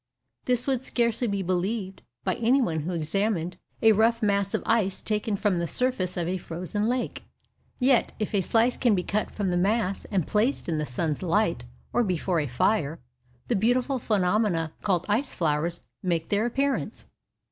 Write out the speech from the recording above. This would scarcely be believed by anyone who examined a rough mass of ice taken from the surface of a frozen lake. Yet, if a slice be cut from the mass and placed in the sun's light, or before a fire, the beautiful phenomena called ice flowers make their appearance.